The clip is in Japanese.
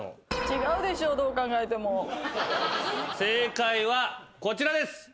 正解はこちらです。